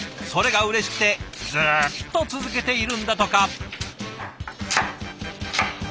それがうれしくてずっと続けているんだとか。